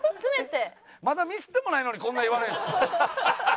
まだミスってもないのにこんな言われるんですか？